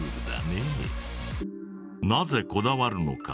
なぜこだわるのか？